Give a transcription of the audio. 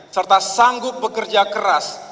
serta sanggup bekerja keras